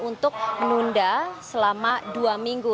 untuk menunda selama dua minggu